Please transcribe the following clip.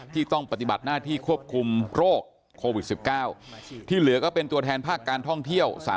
ที่ต้องปฏิบัติหน้าที่ควบคุมโรคโควิด๑๙ที่เหลือก็เป็นตัวแทนภาคการท่องเที่ยว